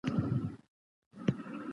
هغه له یوې زړې ښځې سره ګوري.